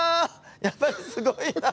やっぱり、すごいな。